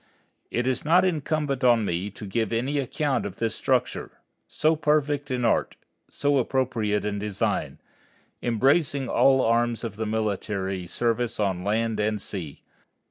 It is not incumbent on me to give any account of this structure, so perfect in art, so appropriate in design, embracing all arms of the military service on land and sea.